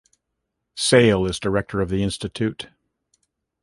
Sale is director of the institute.